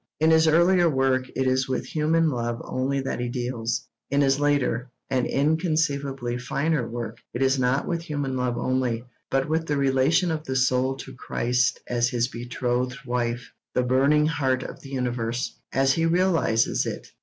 In his earlier work, it is with human love only that he deals; in his later, and inconceivably finer work, it is not with human love only, but with 'the relation of the soul to Christ as his betrothed wife': 'the burning heart of the universe,' as he realises it.